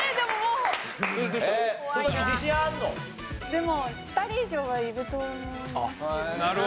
でも２人以上はいると思います。